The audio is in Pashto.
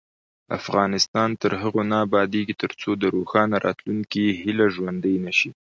افغانستان تر هغو نه ابادیږي، ترڅو د روښانه راتلونکي هیله ژوندۍ نشي.